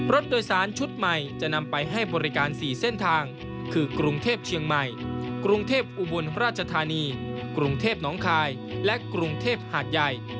รถโดยสารชุดใหม่จะนำไปให้บริการ๔เส้นทางคือกรุงเทพเชียงใหม่กรุงเทพอุบลราชธานีกรุงเทพน้องคายและกรุงเทพหาดใหญ่